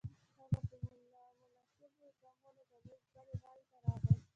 هغه په نامناسبو ګامونو د میز بلې غاړې ته راغی